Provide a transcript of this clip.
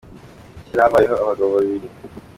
Kera habayeho abagabo babiri.